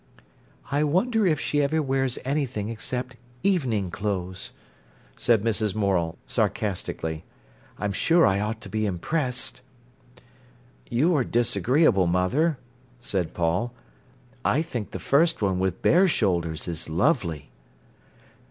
"I wonder if she ever wears anything except evening clothes," said Mrs. Morel sarcastically. "I'm sure I ought to be impressed." "You are disagreeable, mother," said Paul. "I think the first one with bare shoulders is lovely."